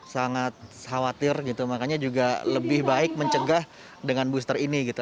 sangat khawatir gitu makanya juga lebih baik mencegah dengan booster ini gitu